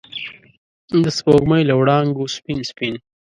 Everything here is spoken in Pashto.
د سپوږمۍ له وړانګو سپین، سپین